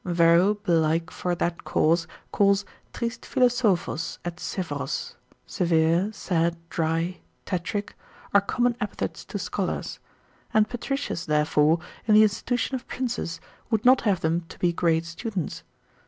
Varro belike for that cause calls Tristes Philosophos et severos, severe, sad, dry, tetric, are common epithets to scholars: and Patritius therefore, in the institution of princes, would not have them to be great students.